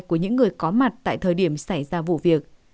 của những người có mặt tại thời điểm xảy ra vụ việc